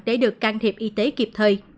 để được can thiệp y tế kịp thời